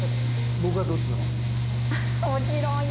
僕はどっちの方なんでしょう？